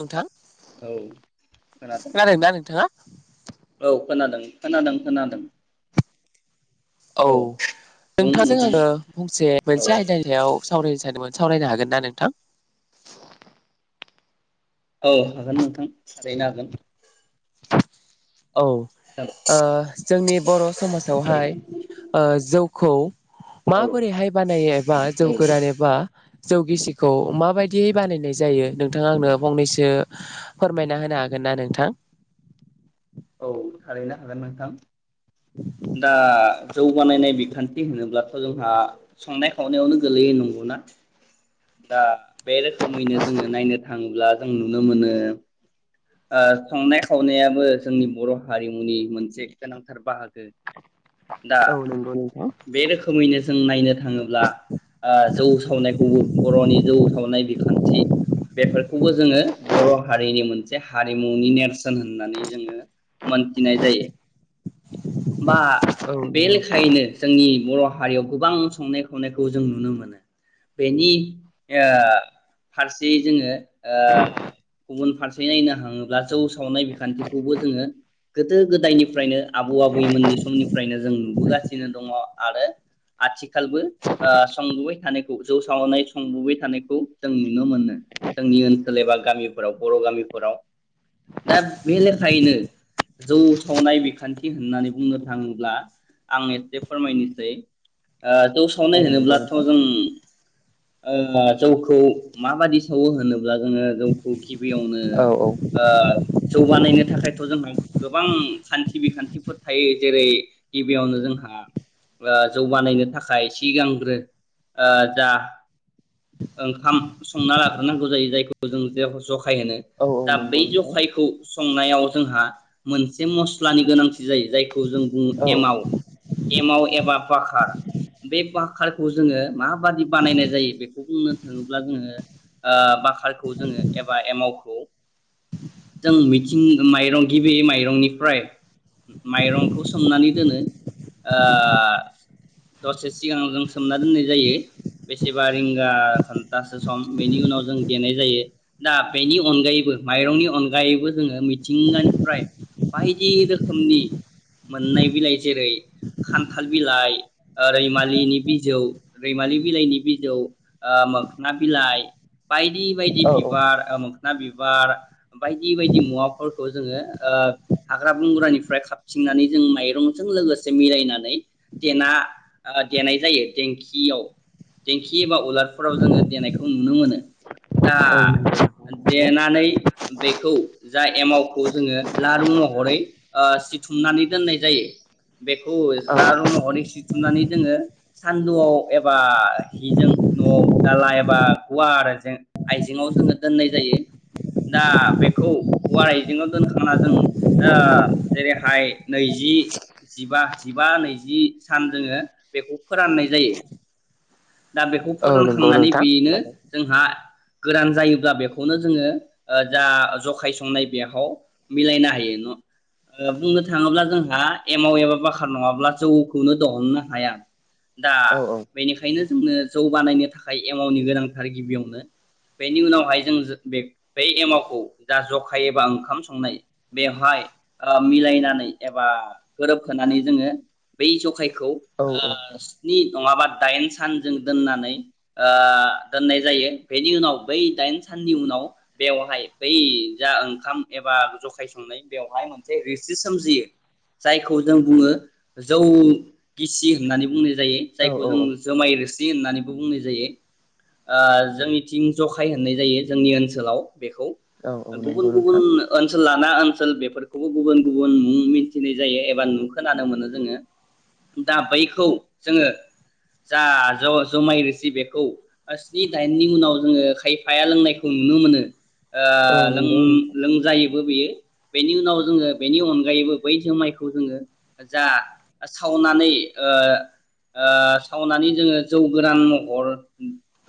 ना नोंथां औ खोनादों दा नोंथाङा? औ खोनादों खोनादों खोनादों औ बुं नोंथांजों नोंथां आङो फंसे औ मोनसे आयदानि सायाव सावरायनो सानदोंमोन सावरायनो हागोन ना नोंथां? औ हागोन नोंथां थारैनो हागोन औ ओ जोंनि बर' समाजावहाय ओ जौ खौ औ माबोरैहाय बानायो एबा जौ गोरान एबा जौ गिसिखौ माबायदियै बानायनाय जायो नोंथां आंनो फंनैसो फोरमायना होनो हागोन ना नोंथां? औ थारैनो हागोन नोंथां दा जौगानायनाय बिखान्थि होनोब्लाथ' जोंहा संनाय खावनायावनो गोलैयो नंगौना दा बे रोखोमैनो जोङो नायनो थाङोब्ला जों नुनो मोनो ओ संनाय खावनायाबो जोंनि बर' हारिमुनि मोनसे गोनांथार बाहागो दा औ नंगौ नोंथां बे रोखोमैनो जों नायनो थाङोब्ला ओ जौ सावनायखौबो बर'नि जौ सावनाय बिखान्थि बेफोरखौबो जोङो बर' हारिनि मोनसे मोनसे हारिमुनि नेरसोन होननानै जोङो मोनथिनाय जायो बा औ बे नंगौ लेखायैनो जोंनि बर' हारियाव गोबां संनाय खावनायखौ जों नुनो मोनो बेनि ओ फारसे जोङो ओ गुबुन फारसे नायनो हाङोब्ला जौ सावनाय बिखान्थिखौबो जोङो गोदो गोदायनिफ्रायनो आबौ आबैमोननि समनिफ्रायनो जों नुबोगासिनो दङ आरो आथिखालबो ओ संबोबाय थानायखौ जौ सावनाय संबोबाय थानायखौ जों नुनो मोनो जोंनि ओनसोल एबा गामिफोराव बर' गामि फोराव दा बे लेखायैनो जौ सावनाय बिखान्थि होननानै बुंनो थाङोब्ला आं एसे फोरमायनोसै ओ जौ औ सावनाय नंगौ नोंथां होनोब्लाथ'जों ओ जौखौ माबायदि सावो होनोब्ला जोङो जौखौ गिबियावनो औ ओ जौगानायनो थाखाय थायखायथ जोंहा गोबां खान्थि बिखान्थिफोर थायो जेरै गिबियावनो जोंहा जौगानायनो थाखाय सिगांग्रो जा ओंखाम संना लाग्रोनांगौ जायो जायखौ जों ज फाय होनो। औ दा नंगौ बै नोंथां जखायखौ। संनायाव जोंहा मोनसे मस्लानि गोनांथि जायो जायखौ जों बुङो औ एमाव एमाव एबा बाखार बे बाखारखौ जोङो माबादि बानायनाय जायो बेखौ बुंनो थाङोब्ला जोङो बाखारखौ जोङो एबा एमावखौ जों मिथिं माइरं गिबि माइरंनिफ्राय माइरंखौ सोमनानै दोनो दसे सिगां जों सोमना दोननाय जायो बेसेबा रिंगा घन्टासो सम बेनि उनाव जों देनाय जायो दा बेनि अनगायैबो माइरंनि अनगायैबो जोङो मिथिंगानिफ्राय बायदि रोखोमनि मोननाय बिलाइ जेरै खान्थाल बिलाइ रैमालिनि बिजौ रैमालि बिलाइनि बिजौ मोखना बिलाइ बायदि बि बायदि औ बिबार मोखना बिबार बार बायदि बायदि मुवाफोरखौ जोङो हाग्रा बंग्रानिफ्राय खाबथिंनानै जों माइरंजों लोगोसे मिलायनानै देना देनाय जायो देंखियाव देंखि एबा उलारफोराव जोङो देनायखौ नुनो मोनो दा औ नंगौ नोंथां देना थारैनो नानै बेखौ जा एमावखौ जोङो लारु महरै सिथुमनानै दोननाय जायो बेखौ लारु महरै सिथुमनानै जोङो सानदुआव एबा हिजों नआव दाला एबा गुवार आइजेंयाव जोङो दोननाय जायो। दा बेखौ औवा आइजेंयाव दोनखांना जों जेरैहाय नैजि जिबा जिबा नैजि सान जोङो बेखौ फोराननाय जायो। दा बेखौ औ औ नंगौ फोरानखांनानै नोंथां बेनो खोनादों जोंहा गोरान जायोब्ला बेखौनो जोङो। जा जखाय संनाय बेयाव मिलायनो हायो न बुंनो थाङोब्ला जोंहा एमाव एबा बाखार नङाब्ला जौखौनो दहननो हाया। दा औ बेनिखायनो जोंनो जौगानायनो थाखाय एमावनि गोनांथार गिबियावनो बेनि उनावहाय जों बे बेै एमावखौ जा जखाय एबा ओंखाम संनाय बेवहाय मिलायनानै एबा गोरोबहोनानै जोङो बै जखायखौ औ औ औ स्नि नङाबा दाइन सानजों दोननानै दोननाय जायो बेनि उनाव बै दाइन साननि उनाव बेवहाय बै जा ओंखाम एबा जखाय संनाय बेवहाय मोनसे रिसि सोमजियो जायखौ जों बुङो जौ गिसि होननानै बुंनो। जायो औ औ जायखौ जों जुमाय जि होननानैबो बुंनाय जायो जोंनिथिं जखाय होननाय जायो जोंनि ओनसोलाव बेखौ औ औ नंगौ गुबुन नोंथां गुबुन ओन ओनसोल लाना ओनसोल बेफोरखौबो गुबुन गुबुन मुं मिथिनाय जायो एबा नु खोनानो मोनो जोङो दा बैखौ जोङो जा ज' जमाय रोसि बेखौ ओ स्नि दाइननि उनाव जोङो खायफाया लोंनायखौ नुनो मोनो। ओ औ नंगौ लों-लोंजायो। बेयो बेनि उनाव जोङो बेनि अनगायैबो बै जोमायखौ जोङो जा सावनानै ओ ओ सावनानै जोङो जौ गोरान महर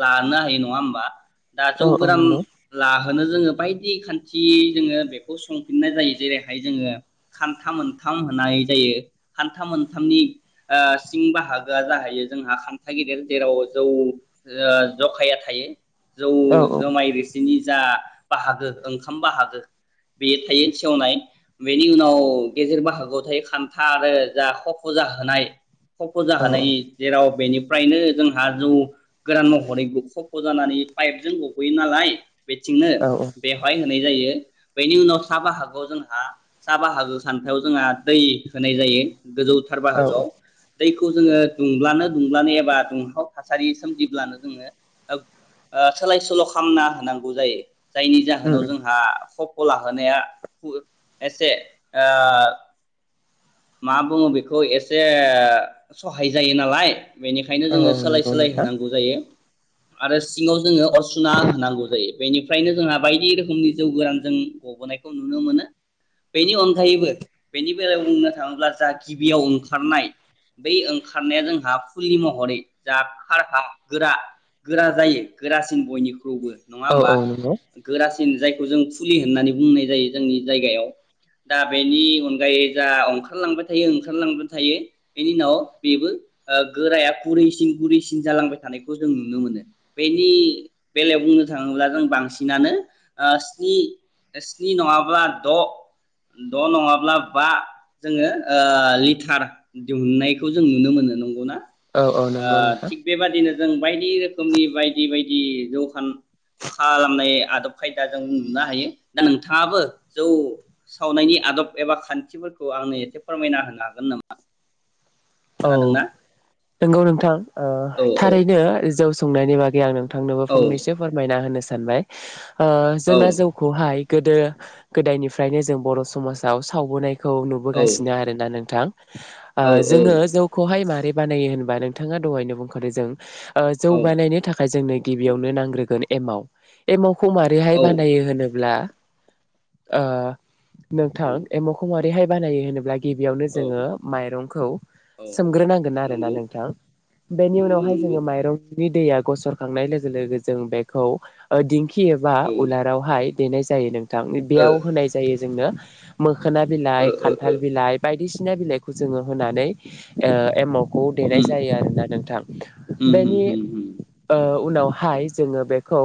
लानो हायो नङा होमबा? दा नोंथां औ जौ औ गोरान नंगौ लाहोनो जोङो बायदि खान्थि जोङो बेखौ संफिननाय जायो जेरैहाय जोङो खान्था मोनथाम होननाय जायो खान्था मोनथामनि ओ सिं बाहागोआ जाहैयो जोंहा खान्था गेदेर जेराव जौ जखाया थायो। जौ औ जुमाइ रोसि नि जा बाहागो ओंखाम बाहागो बेयो थायो सेवनाय बेनि उनाव गेजेर बाहागोआव थायो खान्था आरो जा खफ' जाहोनाय। खफ' औ जाहोनाय जेराव बेनिफ्रायनो जोंहा जौ गोरान महरै खफ' जानानै पाइपजों गहैयो नालाय। बेथिंनो औ बेवहाय होनाय जायो बेनि उनाव साहा बाहागोआव जोंहा साहा बाहागो सानथायाव जोंहा दै होनाय जायो। गोजौथार औ बाहागोआव दैखौ जोङो दुंब्लानो दुंब्लानो एबा दुंहाव थासारि सोमजिब्लानो जोङो ओ सोलाय सोल' खालामना होनांगौ बुजायो जायनि उम जाहोनाव उम जोंहा खफ'खौ लाहोनाया एसे ओ मा बुङो बेखौ एसे सहाय जायो नालाय बेनिखायनो औ जोङो औ सोलाय नंगौ सोलाय नोंथां होनांगौ जायो आरो सिङाव जोङो अरसुना होनांगौ जायो बेनिफ्रायनो जोंहा बायदि रोखोमनि जौ गोरान जों गबोनायखौ नुनो मोनो बेनि अनगायैबो बेनि बेलायाव बुंनो थाङोब्ला जा गिबियाव ओंखारनाय बै ओंखारनाया जोंहा फुलि महरै जा खारहा गोरा गोरा जायो गोरासिन बयनिख्रुइबो नङा औ होमबा औ नंगौ गोरासि जायखौ जों फुलि होननानै बुंनाय जायो जोंनि जायगायाव दा बेनि अनगायै जा ओंखारलांबाय थायो ओंखारलांबाय थायो बेनि उनाव बेबो गोराया गुरैसिन गुरैसिन जालांबाय थानायखौ जों नुनो मोनो बेनि बेलायाव बुंनो बुंनो थाङोब्ला जों बांसिनानो ओ स्नि स्नि नङाब्ला द' द' नङाब्ला बा जोङो ओ लिटार दिहुननायखौ जों नुनो मोनो नंगौना ओ औ औ नंगौ थिग नोंथां बेबादिनो जों बायदि रोखो रोखोमनि बायदि बायदि जखा खालामनाय आदब खायदा जों नुनो हायो दा नोंथाङाबो जौ सावनायनि आदब एबा खान्थिफोरखौ आंनो एसे फोरमायना होनो हागोन नामा औ खोनादोंना नंगौ नोंथां ओ औ थारैनो जौ संनायनि बागै आं नों थांनोबो औ फंनैसो फोरमायना होनोसै सानबाय ओ औ जोंना जौखौहाय गोदो गोदायनिफ्रायनो जों बर' समाजाव सावबोनाय खौ औ नुबोगासिनो आरोना नोंथां औ ओ जोङो बेहाय माबोरै बानायो होनबा नोंथाङा दहायनो बुंखादों जों ओ जौ बानायनो थाखाय जोंनो गिबियावनो नांग्रोगोन एमाव एमावखौ खौ मारैहाय औ बानायो होनोब्ला ओ नोंथां औ एमावखौ मा बैहाय बानायो होनोब्ला गिबियावनो औ जोङो माइरंखौ औ सोमग्रोनांगोन आरोना नंगौ नोंथां बेनि नंगौ उनावहाय नंगौ जोङो माइरंनि दै गसरखांनाय लोगो लोगो जों बेखौ ओ दिंख खि एबा औ उलारावहाय देनाय जायो नों थां ओ बेयाव होनाय जायो जोंनो खोना ओ बिलाइ ओ खान्थाल ओ बिलाइ बायदिसिना ख्नोना बिलाइखौ जोङो होनानै ओ एमाव खौ देनाय उम जायो आरोना नोंथां होम बेनि होम होम होम ओ उनावहाय जोङो बेखौ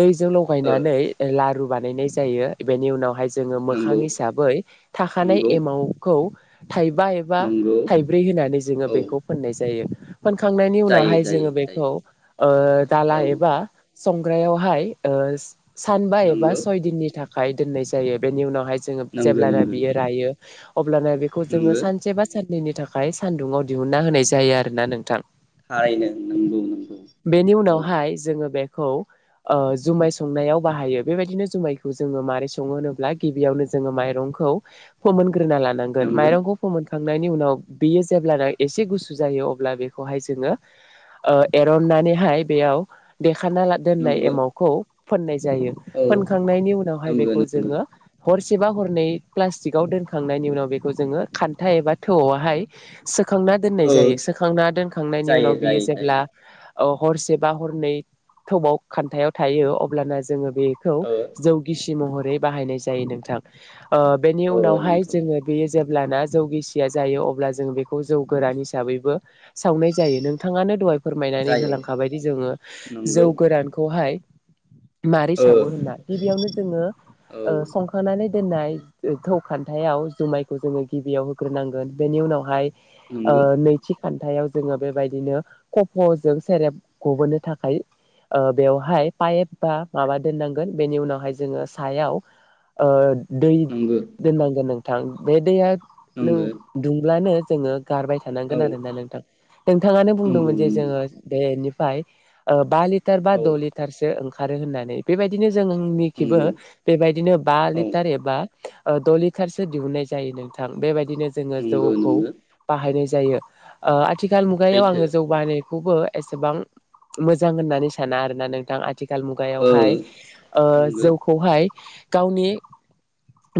दैजों ओ लगायनानै लारु बानाय बानायनाय जायो बेनि उनावहाय जोङो मोखां नंगौ हिसाबै थाखानाय नंगौ एमाउखौ थाइबा एबा नंगौ थाइब्रै होनानै जोङो औ बेखौ फोननाय जायो फोनखांनायनि जायो उनावहाय जायो जोङो बेखौ जायो ओ दाला औ एबा संग्रायावहाय ओ सानबा एबा नंगौ सय दिननि थाख खाय दोननाय जायो बेनि उनावहाय जोङो नंगो जेब्लाना नंगो बियो रायो अब्लाना बेखौ जोङो नंगो सानसे बा साननै दिननि थाखाय सान्दुङाव दिहुनना होनाय जायो आरो ना नोंथां थारैनो नंगौ नंगौ औ खौ ओ जुमाय संनायाव बाहायो बेबायदिनो जुमायखौ जोङो मारै सङो होनोब्ला गिबियावनो जोङो माइरंखौ फोमोन ग्रोना लानांगोन नंगो माइरंखौ फोमोनखां नायनि उनाव बियो जेब्लाना एसे गुसु जायो अब्ला बेखौहाय जोङो ओ एरननानैहाय बेयाव देखाना दोननाय नंगो एमावखौ फोननाय जायो औ फोनखांनायनि उनावहाय नंगो बेखौ नंगो जोङो हरसेबा हरनै प्लास्टिकआव दोनखांनायनि उनाव बेखौ जोङो खान्था एबा थौवावहाय सोग सोखांना दोननाय ओ जायो सोखांना दोनखांनायनि जायो उनाव बियो जायो जायो जेब्ला औ हरसे बा हरनै थौआव खान्थायाव थायो अब्लाना जोङो बेखौ ओ जौ गिसि महरै बाहायनाय जायो नोंथां। ओ बेनि ओ उनावहाय नंगौ जोङो बेयो। जेब्लाना जौ गिसि जायो अब्ला जों बेखौ जौ गोरान हिसाबैबो सावनाय जायो नोंथाङानो दहाय फोरमायनानै जायो होलांखाबायदि जोङो नंगौ जौ गोरानखौहाय मारै ओ सावो औ होनना गिबियावनो जोङो ओ संखानानै दोननाय थौ खान्थायाव जुमायखौ जोङो गिबियावनो ग्रोनांगोन बेनि उनावहाय ओ नंगौ नैथि खान्थायाव जोङो बेबायदिनो खफ'जों सेरेब गबोनो थाखाय बेवहाय पाइप बा माबा दोननांगोन बेनि उनावहाय जोङो सायाव ओ दै नंगो दोननां गोन नों थां बे दैया नों नंगो दुंब्लानो जोङो गारबाय औ थानांगोन आरोना नोंथां। नोंथाङानो नंगौ बुंदोंमोन जे नंगौ जोङो बे फाय ओ बा लि बा लिटार बा औ द' लिटारसो ओंखारो होननानै बेबायदिनो। जोंनिखिबो नंगौ बेबायदिनो बा औ लिटार एबा द' लिटारसो दिहुननाय जायो नोंथां बेबायदि बिनो जोङो नंगो जौखौ नंगो बाहायनाय जायो। जायो ओ। आथिखाल मुगायाव सैथो आङो जौगानाय खौबो एसेबां मोजां होननानै साना आरोना नोंथां। आथिखाल ओ मुगायावहाय ओ नंगो जौखौहाय गावनि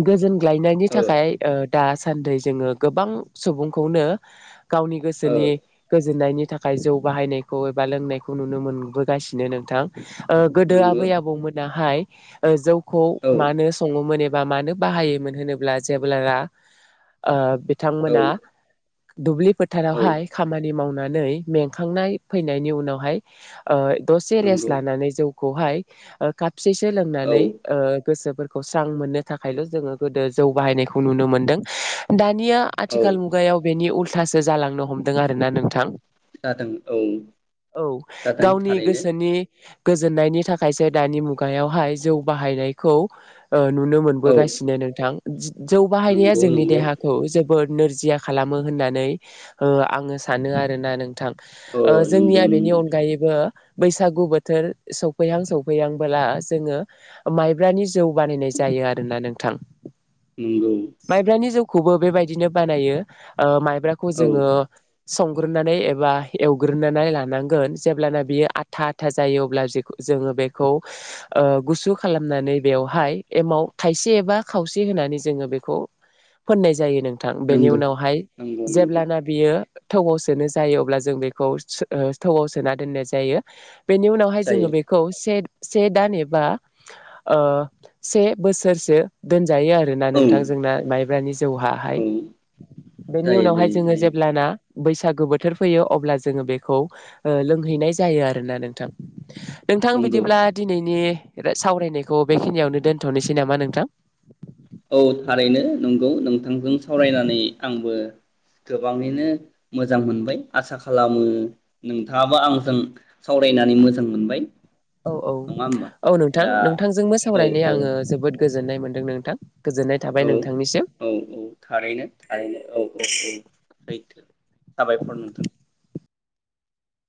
गोजोन ग्लायनायनि थाखाय ओ दासो दासान्दै जोङो गोबां सुबुंखौनो गावनि ओ गोसोनि गोजोननायनि थाखाय जौ बाहायनायखौ एबा लोंनायखौ नुनो मोनबोगासिनो नोंथां गोदो नंगौ आबै आबौमोनाहाय ओ जौ खौ औ मानो सङोमोन एबा बा मानो बाहायोमोन होनोब्ला जेब्ला। आ औ बिथांमोना दुबलि औ फोथारावहाय खामानि मावना नै मेंखांनाय फैनायनि उनावहाय ओ दसे रेस नंगौ लानानै जौ खौहाय खाबसे सो औ लोंनानै ओ गोसोफोर खौ स्रां मोननो थाखायल' जोङो गोदो जौ बाहायनायखौ नुनो मोनदों दानि या औ आथिखाल मुगायाव बेनि उल थासो जालांनो हमदों आरोना नोंथां जादों औ औ जादों गावनि थारैनो गोसोनि गोजोननायनि थाखायसो दानि मुगायावहाय जौ बाहायनायखौ ओ नुनो औ मोनबोगासिनो नोंथां बि [unintelligible] जौ बाहायनाया नंगौ जोंनि नंगौ देहाखौ जोबोद नोरजिया खालामो होननानै ओ आङो सानो आरोना नोंथां ओ नंगौ जोंनिया बेनि नंगौ अनगायैबो बैसागु बोथोर सौफैहां सौफैहांबोला जोङो माइब्रानि जौ बानायनाय जायो आरोना नों थां नोंगौ माइब्रानि जौखौबो बेबायदिनो बानायो ओ माइ ब्राखौ औ जोङो संग्रोनानै एबा एवग्रोनानै लानांगोन जेब्लाना बियो आथा आथा जायो अब्ला जोङो बेखौ ओ गुसु खालामनानै बेवहाय एमाव थाइसे एबा खावसे होनानै जोङो बेखौ फोननाय जायो नों थां बेनि नंगौ उनावहाय नंगौ नंगौ जेब्लाना बियो थौआव सोनो जायो अब्ला जों बेखौ थौआव सोना दोननाय जायो बेनि उनावहाय जायो जोङो बेखौ से से दान एबा ओ से बोसोरसो जायो आरो ना औ नोंथां जोंना माइब्रानि जौवाहाय औ बेनि जायो उनावहाय जायो जोङो जायो जेब्लाना बैसागु बोथोर फैयो अब्ला जोङो बेखौ ओ लोंहैनाय जायो आरोना नोंथां नोंथां नंगौ बिदिब्ला दिनैनि सावरायनायखौ बेखिनियावनो दोनथ'नोसै नामा नोंथां औ थारैनो नंगौ नोंथांजों सावरायनानै आंबो गोबाङैनो मोजां मोनबाय आसा खालामो नोंथाङाबो आंजों सावरायनानै मोजां मोनबाय औ औ नङा होमबा औ नोंथां दा नोंथांजोंबो औ सावरायनाया औ आङो जोबोद गोजोन गोजोन्नाय मोनदों नोंथां गोजोननाय थाबाय औ नोंथांनिसिम औ औ थारैनो थारैनो औ सैथो साबायखर नोंथां